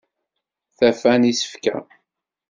Tafa n isefka.